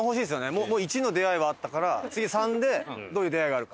もう「１」の出会いはあったから次「３」でどういう出会いがあるか。